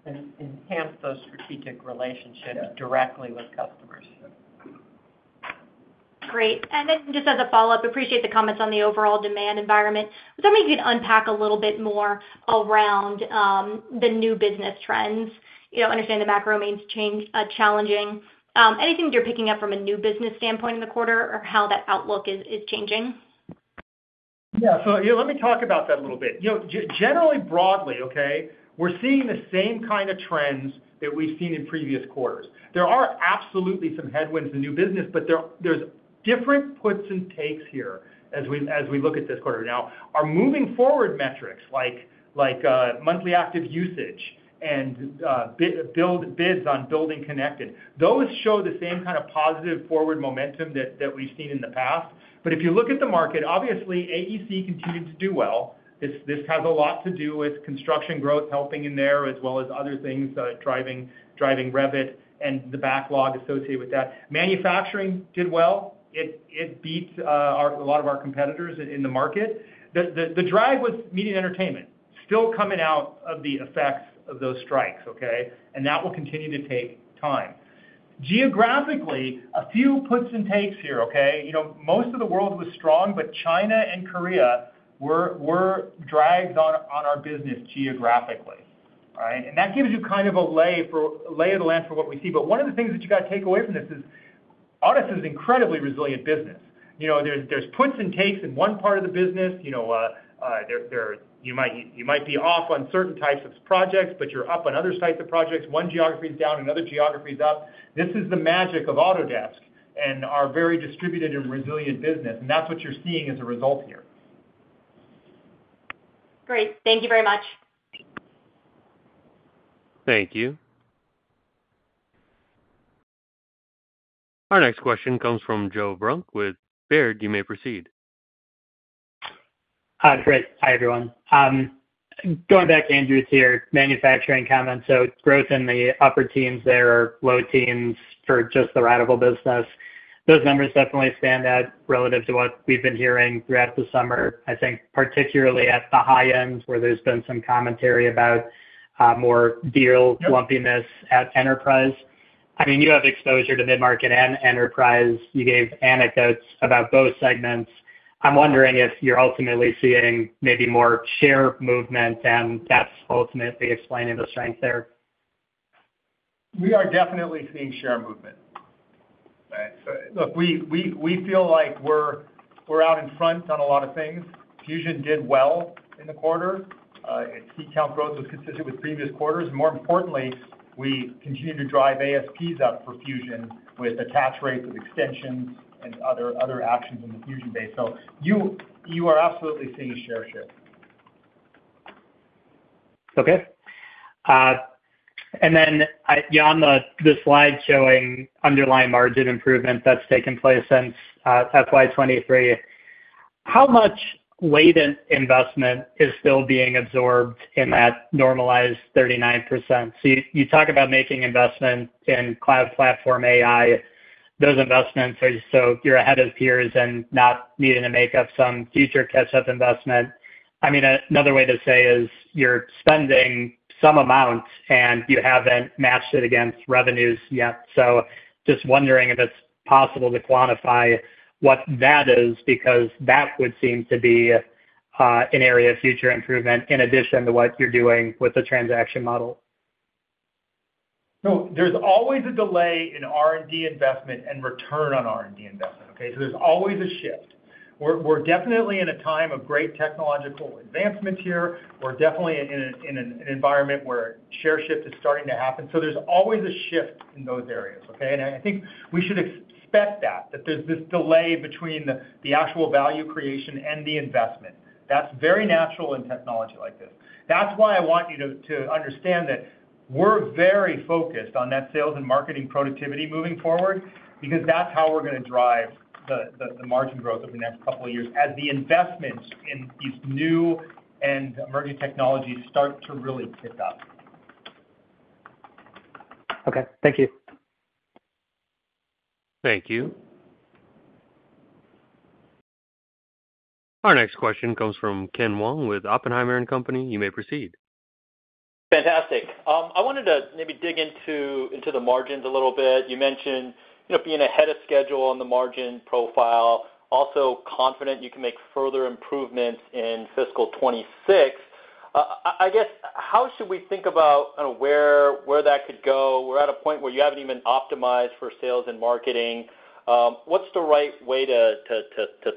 And enhance those strategic relationships- Yeah - directly with customers. Yeah. Great. And then just as a follow-up, appreciate the comments on the overall demand environment. So maybe you could unpack a little bit more around the new business trends. You know, understand the macro remains challenging. Anything you're picking up from a new business standpoint in the quarter or how that outlook is changing? Yeah. So, yeah, let me talk about that a little bit. You know, generally, broadly, okay, we're seeing the same kind of trends that we've seen in previous quarters. There are absolutely some headwinds in new business, but there's different puts and takes here as we look at this quarter. Now, our moving forward metrics, like monthly active usage and bids on BuildingConnected, those show the same kind of positive forward momentum that we've seen in the past. But if you look at the market, obviously, AEC continued to do well. This has a lot to do with construction growth helping in there, as well as other things driving Revit and the backlog associated with that. Manufacturing did well. It beat a lot of our competitors in the market. The drive was media and entertainment, still coming out of the effects of those strikes, okay, and that will continue to take time. Geographically, a few puts and takes here, okay? You know, most of the world was strong, but China and Korea were drags on our business geographically, all right, and that gives you kind of a lay of the land for what we see, but one of the things that you gotta take away from this is, Autodesk is incredibly resilient business. You know, there's puts and takes in one part of the business. You know, there. You might be off on certain types of projects, but you're up on other types of projects. One geography is down, another geography is up. This is the magic of Autodesk and our very distributed and resilient business, and that's what you're seeing as a result here. Great. Thank you very much. Thank you. Our next question comes from Joe Vruwink with Baird. You may proceed. Hi, great. Hi, everyone. Going back to Andrew's manufacturing comments, so growth in the upper teens there or low teens for just the AEC business. Those numbers definitely stand out relative to what we've been hearing throughout the summer. I think particularly at the high end, where there's been some commentary about more deal- Yep Lumpiness at enterprise. I mean, you have exposure to mid-market and enterprise. You gave anecdotes about both segments. I'm wondering if you're ultimately seeing maybe more share movement, and that's ultimately explaining the strength there. We are definitely seeing share movement. Right, so look, we feel like we're out in front on a lot of things. Fusion did well in the quarter. Its seat count growth was consistent with previous quarters. More importantly, we continue to drive ASPs up for Fusion with attach rates, with extensions and other actions in the Fusion base. So you are absolutely seeing a share shift. Okay. And then, on the slide showing underlying margin improvement that's taken place since FY 2023, how much latent investment is still being absorbed in that normalized 39%? So you talk about making investments in cloud, platform, AI, those investments are so you're ahead of peers and not needing to make up some future catch-up investment. I mean, another way to say is, you're spending some amount, and you haven't matched it against revenues yet. So just wondering if it's possible to quantify what that is, because that would seem to be an area of future improvement in addition to what you're doing with the transaction model. So there's always a delay in R&D investment and return on R&D investment, okay? So there's always a shift. We're definitely in a time of great technological advancements here. We're definitely in an environment where share shift is starting to happen. So there's always a shift in those areas, okay? And I think we should expect that there's this delay between the actual value creation and the investment. That's very natural in technology like this. That's why I want you to understand that we're very focused on that sales and marketing productivity moving forward, because that's how we're gonna drive the margin growth over the next couple of years, as the investments in these new and emerging technologies start to really pick up. Okay. Thank you. Thank you. Our next question comes from Ken Wong with Oppenheimer & Company. You may proceed. Fantastic. I wanted to maybe dig into the margins a little bit. You mentioned, you know, being ahead of schedule on the margin profile, also confident you can make further improvements in fiscal 2026. I guess, how should we think about kind of where that could go? We're at a point where you haven't even optimized for sales and marketing. What's the right way to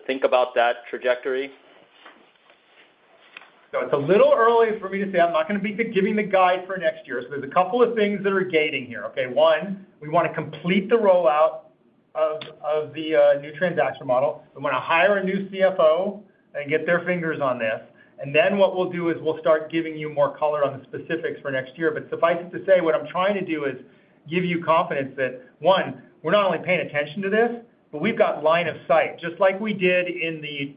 think about that trajectory? So it's a little early for me to say I'm not gonna be giving the guide for next year. So there's a couple of things that are gating here, okay? One, we wanna complete the rollout of the new transaction model. We wanna hire a new CFO and get their fingers on this. And then what we'll do is we'll start giving you more color on the specifics for next year. But suffice it to say, what I'm trying to do is give you confidence that, one, we're not only paying attention to this, but we've got line of sight, just like we did in the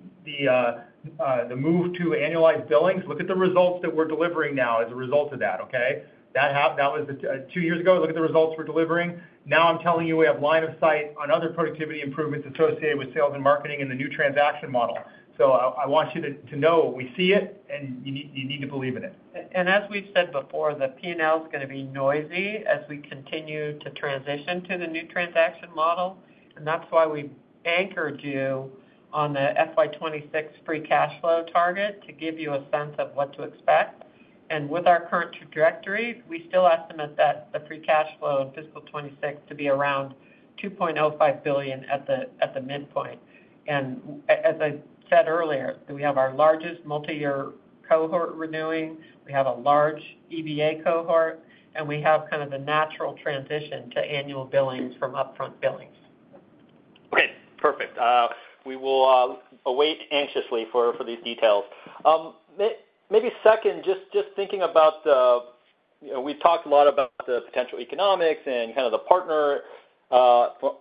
move to annualized billings. Look at the results that we're delivering now as a result of that, okay? That was two years ago. Look at the results we're delivering. Now, I'm telling you, we have line of sight on other productivity improvements associated with sales and marketing and the new transaction model. So I want you to know we see it, and you need to believe in it. And as we've said before, the P&L is gonna be noisy as we continue to transition to the new transaction model, and that's why we anchored you on the FY 2026 free cash flow target to give you a sense of what to expect. And with our current trajectory, we still estimate that the free cash flow in fiscal 2026 to be around $2.05 billion at the midpoint. And as I said earlier, that we have our largest multiyear cohort renewing, we have a large EBA cohort, and we have kind of the natural transition to annual billings from upfront billings. Great, perfect. We will await anxiously for these details. Maybe second, just thinking about the, you know, we've talked a lot about the potential economics and kind of the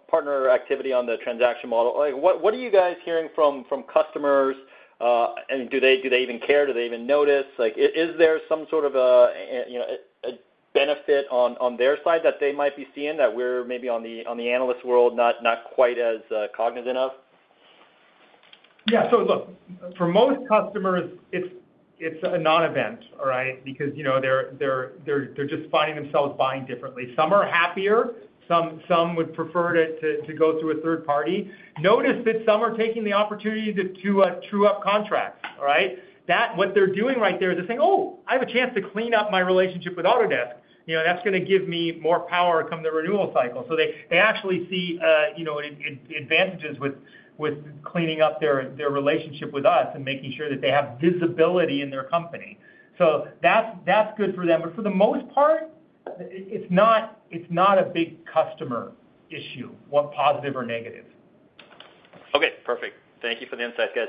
partner activity on the transaction model. Like, what are you guys hearing from customers? And do they even care? Do they even notice? Like, is there some sort of a, you know, a benefit on their side that they might be seeing that we're maybe on the analyst world, not quite as cognizant of? Yeah. So look, for most customers, it's a non-event, all right? Because, you know, they're just finding themselves buying differently. Some are happier. Some would prefer to go through a third party. Notice that some are taking the opportunity to true up contracts, all right? That, what they're doing right there is they're saying, "Oh, I have a chance to clean up my relationship with Autodesk. You know, that's gonna give me more power come the renewal cycle." So they actually see, you know, advantages with cleaning up their relationship with us and making sure that they have visibility in their company. So that's good for them. But for the most part, it's not a big customer issue, want positive or negative. Okay, perfect. Thank you for the insight, guys.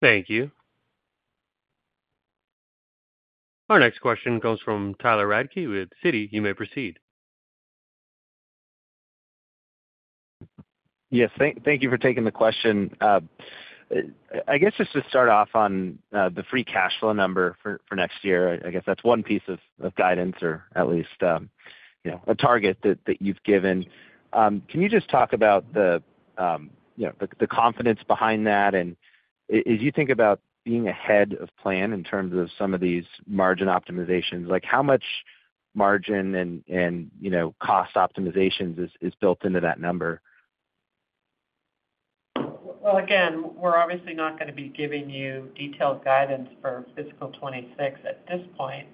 Thank you. Our next question comes from Tyler Radke with Citi. You may proceed. Yes, thank you for taking the question. I guess just to start off on the free cash flow number for next year. I guess that's one piece of guidance, or at least, you know, a target that you've given. Can you just talk about the, you know, the confidence behind that? And as you think about being ahead of plan in terms of some of these margin optimizations, like how much margin and, you know, cost optimizations is built into that number? Again, we're obviously not gonna be giving you detailed guidance for fiscal 2026 at this point,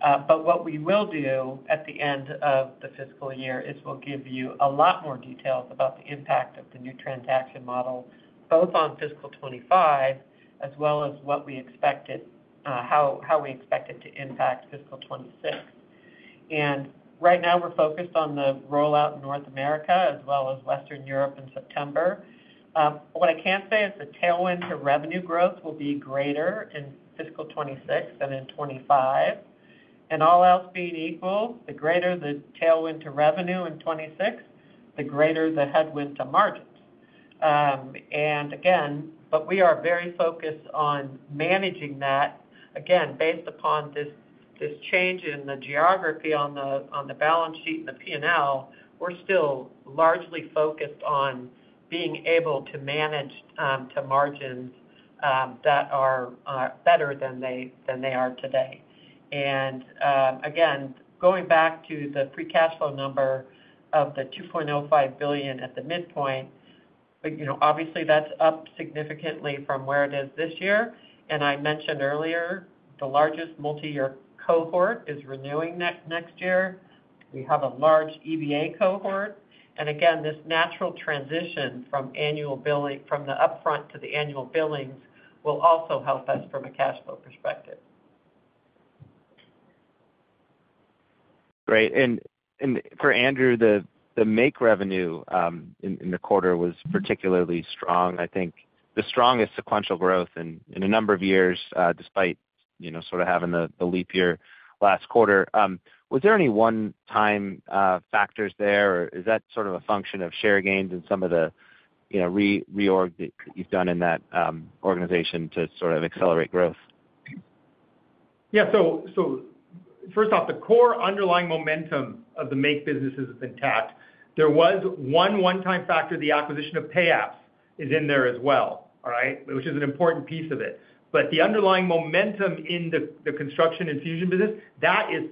but what we will do at the end of the fiscal year is we'll give you a lot more details about the impact of the new transaction model, both on fiscal 2025 as well as what we expected, how we expect it to impact fiscal 2026. Right now, we're focused on the rollout in North America, as well as Western Europe in September. What I can say is the tailwind to revenue growth will be greater in fiscal 2026 than in 2025. All else being equal, the greater the tailwind to revenue in 2026, the greater the headwind to margins. And again, but we are very focused on managing that. Again, based upon this, this change in the geography on the, on the balance sheet and the P&L, we're still largely focused on being able to manage, to margins, that are, better than they, than they are today. And, again, going back to the free cash flow number of $2.05 billion at the midpoint, but, you know, obviously, that's up significantly from where it is this year. And I mentioned earlier, the largest multi-year cohort is renewing next year. We have a large EBA cohort, and again, this natural transition from annual billing, from the upfront to the annual billings will also help us from a cash flow perspective. Great. For Andrew, the Make revenue in the quarter was particularly strong. I think the strongest sequential growth in a number of years, despite, you know, sort of having the leap year last quarter. Was there any one-time factors there, or is that sort of a function of share gains and some of the, you know, reorg that you've done in that organization to sort of accelerate growth? Yeah. So, so first off, the core underlying momentum of the Make businesses is intact. There was one one-time factor, the acquisition of Payapps, is in there as well, all right? Which is an important piece of it. But the underlying momentum in the construction and Fusion business, that is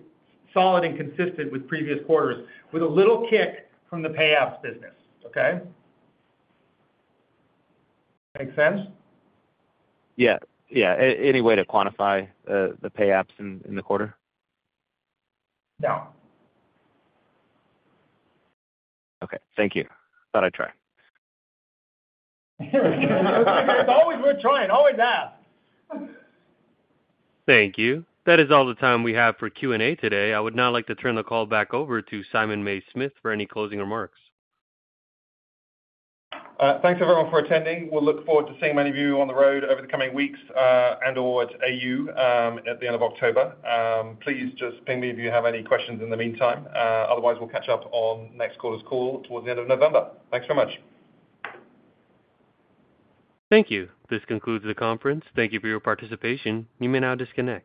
solid and consistent with previous quarters, with a little kick from the Payapps business, okay? Make sense? Yeah, yeah. Any way to quantify the Payapps in the quarter? No. Okay. Thank you. Thought I'd try. It's always worth trying. Always ask. Thank you. That is all the time we have for Q&A today. I would now like to turn the call back over to Simon May-Smith for any closing remarks. Thanks, everyone, for attending. We'll look forward to seeing many of you on the road over the coming weeks, and/or at AU, at the end of October. Please just ping me if you have any questions in the meantime. Otherwise, we'll catch up on next quarter's call towards the end of November. Thanks so much. Thank you. This concludes the conference. Thank you for your participation. You may now disconnect.